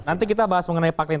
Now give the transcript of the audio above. nanti kita bahas mengenai paket